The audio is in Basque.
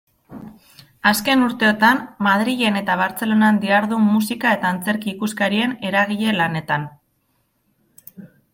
Azken urteotan Madrilen eta Bartzelonan dihardu musika- eta antzerki-ikuskarien eragile-lanetan.